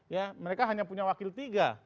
ya mereka hanya punya wakil tiga